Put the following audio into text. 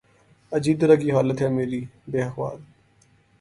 عجیب طرح کی حالت ہے میری بے احوال